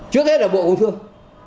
trước hết là bộ công thương